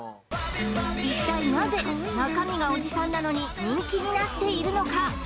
一体なぜ中身がおじさんなのに人気になっているのか